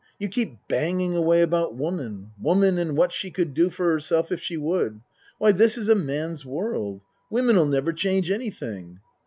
You keep banging away about woman woman and what she could do for herself if she would. Why this is a man's world. Women'll never change anything.